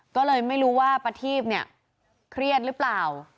ก็เลยไม่รู้ว่าประทีพเนี่ยเครียดหรือเปล่า